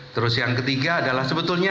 terus yang ketiga adalah sebetulnya